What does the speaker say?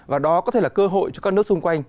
và đó có thể là cơ hội cho các nước xung quanh